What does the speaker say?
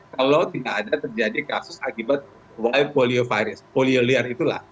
kalau tidak ada terjadi kasus akibat polio liar itulah